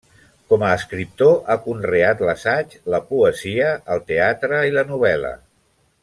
Com a escriptor, ha conreat l’assaig, la poesia, el teatre i la novel·la.